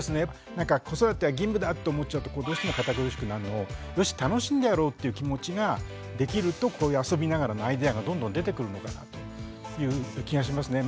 なんか子育ては義務だって思っちゃうとどうしても堅苦しくなるのをよし楽しんでやろうっていう気持ちができるとこういう遊びながらのアイデアがどんどん出てくるのかなという気がしますね。